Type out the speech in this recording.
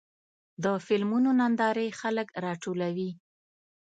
د فلمونو نندارې خلک راټولوي.